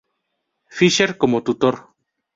Fisher como tutor.